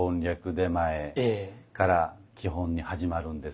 点前から基本に始まるんです。